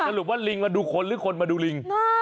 สรุปว่าลิงมาดูคนหรือคนมาดูลิง